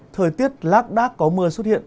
thời tiết lát đát có mưa xuất hiện